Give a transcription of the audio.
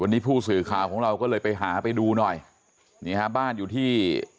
วันนี้ผู้สื่อข่าวของเราก็เลยไปหาไปดูหน่อยนี่ฮะบ้านอยู่ที่